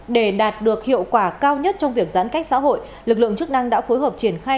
để đạt được hiệu quả cao nhất trong việc giãn cách xã hội lực lượng chức năng đã phối hợp triển khai